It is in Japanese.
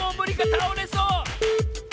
たおれそう！